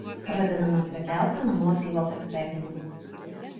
Pradedama prekiauti namų apyvokos prekėmis.